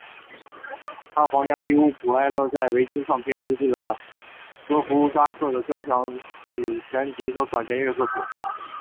他和皇家利物浦爱乐在维京唱片录制了德佛札克的交响曲全集和管弦乐作品。